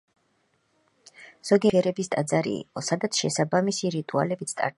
ზოგიერთი მოსაზრებით, ის ნაყოფიერების ტაძარი იყო, სადაც შესაბამისი რიტუალებიც ტარდებოდა.